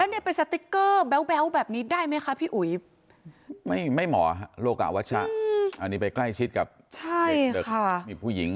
แล้วเนี่ยไปสติกเกอร์แบ๊บแบบนี้ได้ไหมค่ะพี่อุ๋ย